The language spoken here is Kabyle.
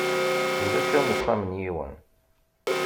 Ulac am uxxam n yiwen.